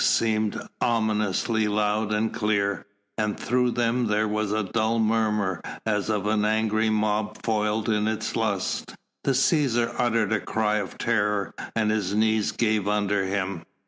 seemed ominously loud and near, and through them there was a dull murmur as of an angry mob foiled in its lust. The Cæsar uttered a cry of terror and his knees gave under him.